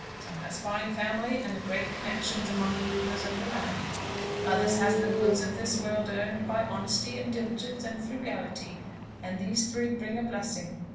Some has fine family and great connections among the rulers of the land. Others has the goods of this world earned by honesty, and diligence, and frugality; and these three bring a blessing.